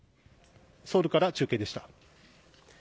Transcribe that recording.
ソウルから中継でした。